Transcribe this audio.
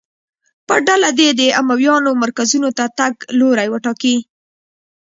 ب ډله دې د امویانو مرکزونو ته تګ لوری وټاکي.